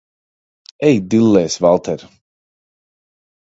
Ej dillēs, Valter!